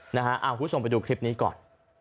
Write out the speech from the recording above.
นะฮะอ้าวคุณส่งไปดูคลิปนี้ก่อน